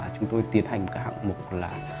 chúng tôi tiến hành các hạng mục là